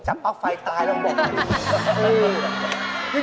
โจมตับแป๊กไฟตายแล้วบอกเลย